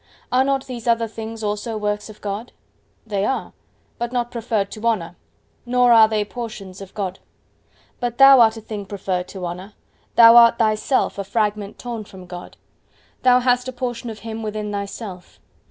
Are not these other things also works of God?—They are; but not preferred to honour, nor are they portions of God. But thou art a thing preferred to honour: thou art thyself a fragment torn from God:—thou hast a portion of Him within thyself.